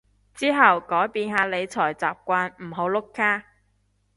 之後改變下理財習慣唔好碌卡